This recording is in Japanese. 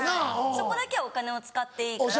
そこだけはお金を使っていいから。